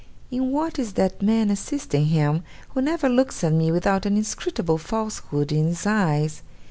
'In what is that man assisting him, who never looks at me without an inscrutable falsehood in his eyes?